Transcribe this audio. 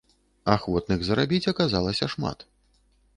Ахвотных зарабіць аказалася шмат.